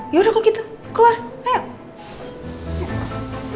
kamu sih ngapain juga masuk toilet perempuan